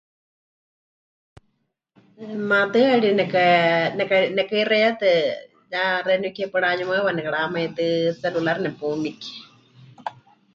Maatɨari neka.. neka... nekaheixeiyatɨ ya xeeníu ke paɨ mɨrayumaɨwa nekaramaitɨ́ celular nepumikie.